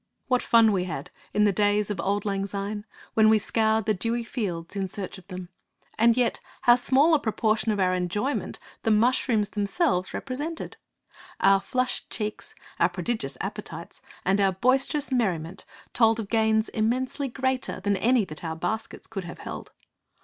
What fun we had, in the days of auld lang syne, when we scoured the dewy fields in search of them! And yet how small a proportion of our enjoyment the mushrooms themselves represented! Our flushed cheeks, our prodigious appetites, and our boisterous merriment told of gains immensely greater than any that our baskets could have held.